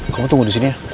kamu tunggu di sini ya